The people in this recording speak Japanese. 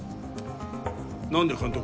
何で監督